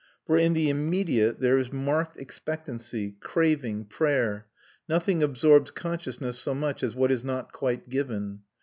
For in the immediate there is marked expectancy, craving, prayer; nothing absorbs consciousness so much as what is not quite given.